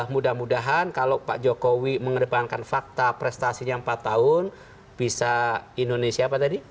mudah mudahan kalau pak jokowi mengedepankan fakta prestasinya empat tahun bisa indonesia apa tadi